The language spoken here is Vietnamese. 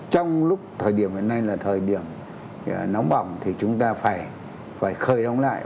trong lúc thời điểm hiện nay là thời điểm nóng bỏng thì chúng ta phải khởi động lại